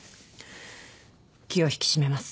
気を引き締めます。